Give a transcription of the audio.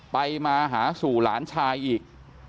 ไปมาหาสู่หลานชายอีก